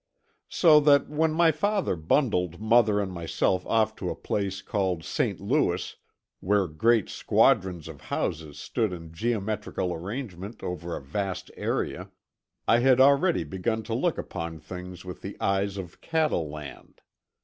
So that when my father bundled mother and myself off to a place called St. Louis, where great squadrons of houses stood in geometrical arrangement over a vast area, I had already begun to look upon things with the eyes of cattleland.